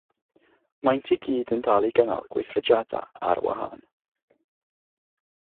Maent i gyd yn dal i gynnal gweithrediadau ar wahân.